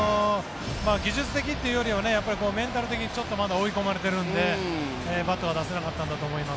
技術的というよりはメンタル的にちょっとまだ追い込まれているのでバットを出せなかったと思います。